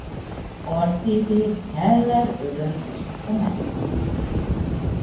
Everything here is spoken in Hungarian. Arcképét Heller Ödön festette meg.